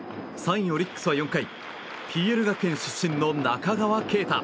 ３位オリックスは４回ＰＬ学園出身の中川圭太。